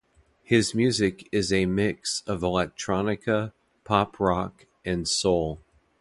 His music is a mix of electronica, pop-rock, and soul.